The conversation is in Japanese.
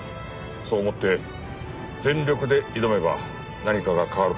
そう思って全力で挑めば何かが変わるかもしれん。